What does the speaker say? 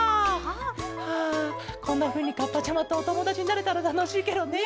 あこんなふうにカッパちゃまとおともだちになれたらたのしいケロね。